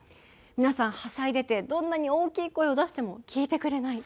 皆さんはしゃいでてどんなに大きい声を出しても聞いてくれない。